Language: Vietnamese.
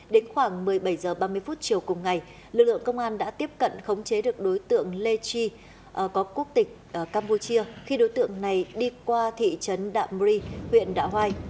đến khoảng một mươi bảy h ba mươi chiều cùng ngày lực lượng công an đã tiếp cận khống chế được đối tượng lê chi có quốc tịch campuchia khi đối tượng này đi qua thị trấn đạm ri huyện đạ hoai